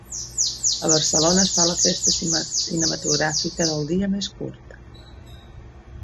A Barcelona es fa la festa cinematogràfica del “Dia més Curt”.